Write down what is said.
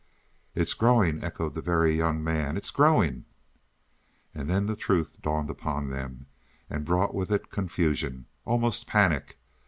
"It's growing," echoed the Very Young Man; "it's growing!" And then the truth dawned upon them, and brought with it confusion, almost panic.